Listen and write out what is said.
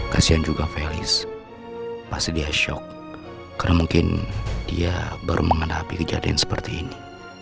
kasihan juga velis pasti dia shock karena mungkin dia baru mengatapi kejadian seperti ini